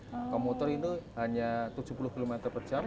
di komuter ini hanya tujuh puluh km per jam